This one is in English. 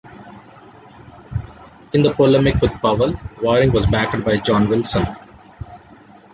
In the polemic with Powell, Waring was backed by John Wilson.